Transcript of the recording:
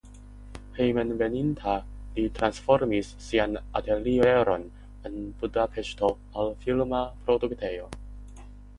Hejmenveninta li transformis sian atelieron en Budapeŝto al filma produktejo.